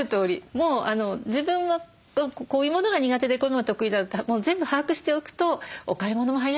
もう自分がこういうものが苦手でこういうものが得意だって全部把握しておくとお買い物も早いですし。